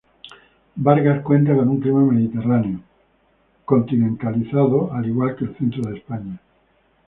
Bargas cuenta con un clima mediterráneo continentalizado, al igual que el centro de España.